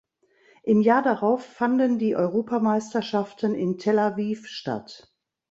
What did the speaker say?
Im Jahr darauf fanden die Europameisterschaften in Tel Aviv statt.